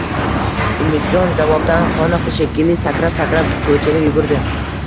Umidjon javobdan qoniqdi shekilli, sakrab-sakrab ko`chaga yugurdi